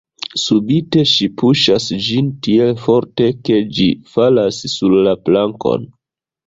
Subite ŝi puŝas ĝin tiel forte, ke ĝi falas sur la plankon.